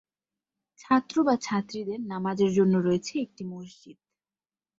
ছাত্র/ছাত্রীদের নামাজের জন্য রয়েছে একটি মসজিদ।